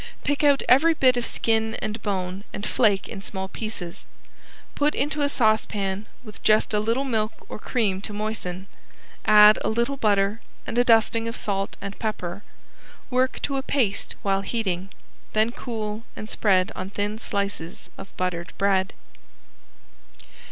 Pick out every bit of skin and bone, and flake in small pieces. Put into a saucepan with just a little milk or cream to moisten, add a little butter and a dusting of salt and pepper. Work to a paste while heating, then cool and spread on thin slices of buttered bread.